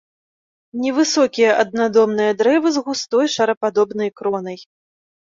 Невысокія аднадомныя дрэвы з густой шарападобнай кронай.